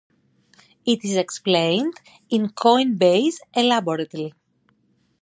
It is explained in Coinbase elaborately.